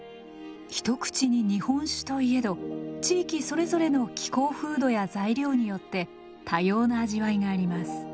一口に日本酒と言えど地域それぞれの気候風土や材料によって多様な味わいがあります。